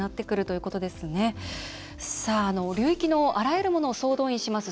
流域のあらゆるものを総動員します